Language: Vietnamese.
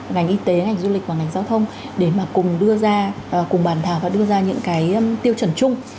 ngành y tế ngành du lịch và ngành giao thông để mà cùng đưa ra cùng bàn thảo và đưa ra những cái tiêu chuẩn chung